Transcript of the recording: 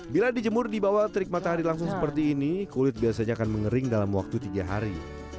bila dijemur di bawah terik matahari langsung seperti ini kulit biasanya akan mengering dalam waktu tiga hari